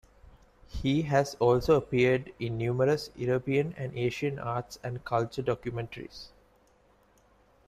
He has also appeared in numerous European and Asian arts and culture documentaries.